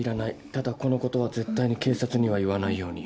ただこのことは絶対に警察には言わないように。